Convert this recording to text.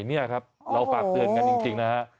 นี่ครับเราฝากเตือนกันจริงนะฮะ